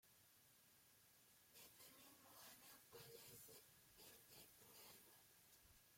Este mismo año fallece en Huelva.